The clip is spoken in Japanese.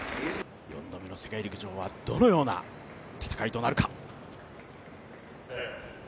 ４度目の世界陸上はどのような戦いとなるか。